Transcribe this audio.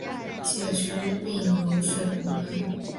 沮渠秉卢水胡人。